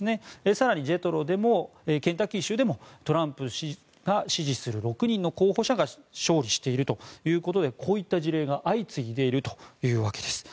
更にＪＥＴＲＯでもケンタッキー州でもトランプ氏が支持する６人の候補者が勝利しているということでこういった事例が相次いでいるというわけです。